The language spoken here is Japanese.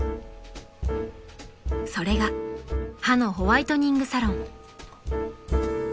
［それが歯のホワイトニングサロン］